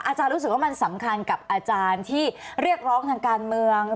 อาจารย์รู้สึกว่ามันสำคัญกับอาจารย์ที่เรียกร้องทางการเมือง